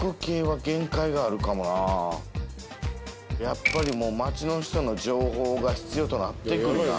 やっぱり街の人の情報が必要となってくるな。